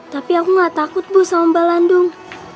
tapi aku gak takut bu sama mbak landung